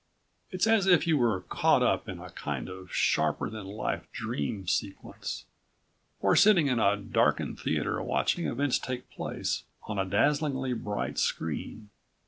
It's as if you were caught up in a kind of sharper than life dream sequence, or sitting in a darkened theater watching events take place on a dazzlingly bright screen.